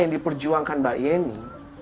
yang diperjuangkan mbak ye ini